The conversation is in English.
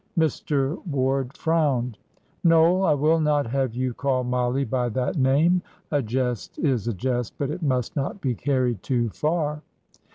Mr. Ward frowned. "Noel, I will not have you call Mollie by that name. A jest is a jest, but it must not be carried too far."